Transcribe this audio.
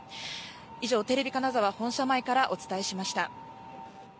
以上、テレビ金沢本社前からお伝えしました。